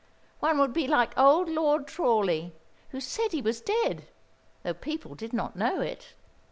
One would be like old Lord Tyrawly, who said he was dead, though people did not know it."